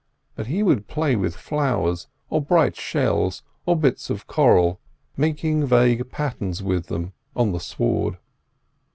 But he would play with flowers or bright shells, or bits of coral, making vague patterns with them on the sward.